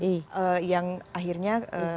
majikan yang akhirnya